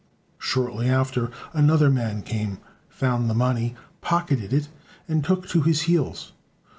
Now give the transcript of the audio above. Shortly after, another man cam, found the money, pocketed it, and took to his heels.